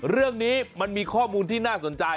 เรื่องนี้มันมีข้อมูลที่น่าสนใจ